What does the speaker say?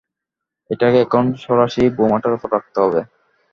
এটাকে এখন সরাসি বোমাটার উপরে রাখতে হবে।